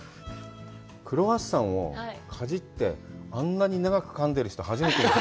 クロワッサンをかじって、あんなに長くかんでる人、初めて見た。